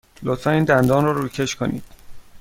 لطفاً این دندان را روکش کنید.